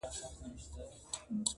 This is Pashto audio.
چي ته مه ژاړه پیسې مو دربخښلي-